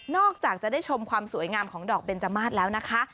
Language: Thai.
จากจะได้ชมความสวยงามของดอกเบนจมาสแล้วนะคะ